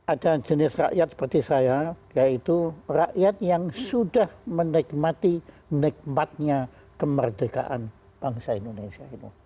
ada jenis rakyat seperti saya yaitu rakyat yang sudah menikmati nikmatnya kemerdekaan bangsa indonesia